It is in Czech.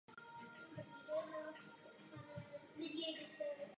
Na konci svého života čelil několika obviněním.